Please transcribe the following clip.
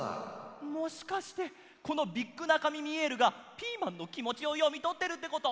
もしかしてこのビッグナカミミエルがピーマンのきもちをよみとってるってこと！？